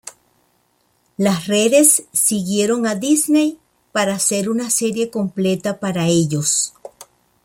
Las redes siguieron a Disney para hacer una serie completa para ellos.